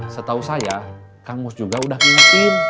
setahu saya kang mus juga udah ngikutin